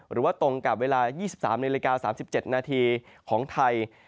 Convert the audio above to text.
หรือว่าตรงกับเวลา๒๓น๓๗นของไทย